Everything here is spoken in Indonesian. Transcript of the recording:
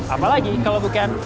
apalagi kalau bukan